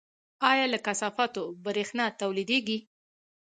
آیا له کثافاتو بریښنا تولیدیږي؟